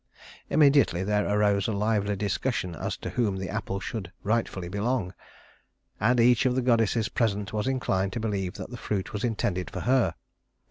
Immediately there arose a lively discussion as to whom the apple should rightfully belong; and each of the goddesses present was inclined to believe that the fruit was intended for her.